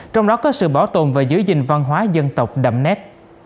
trong đó có sự bảo tồn và giữ gìn văn hóa dân tộc đậm nét